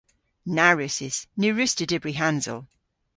Na wrussys. Ny wruss'ta dybri hansel.